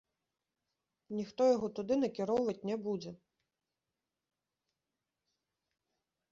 Ніхто яго туды накіроўваць не будзе!